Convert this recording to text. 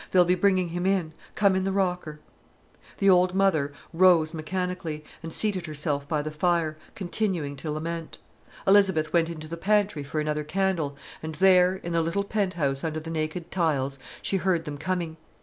"They'll be bringing him in. Come in the rocker." The old mother rose mechanically, and seated herself by the fire, continuing to lament. Elizabeth went into the pantry for another candle, and there, in the little penthouse under the naked tiles, she heard them coming.